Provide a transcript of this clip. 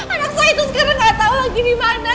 anak saya itu sekarang gak tau lagi dimana